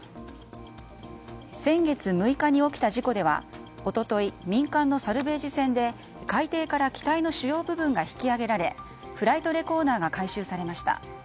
先月６日に起きた事故では一昨日、民間のサルベージ船で海底から機体の主要部分が引き揚げられフライトレコーダーが回収されました。